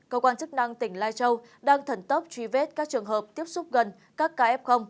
cơ quan chức năng tỉnh lai châu đang thần tốc truy vết các trường hợp tiếp xúc gần các ca f